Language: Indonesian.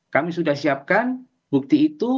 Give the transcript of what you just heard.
kami sudah siapkan bukti itu